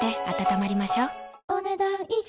お、ねだん以上。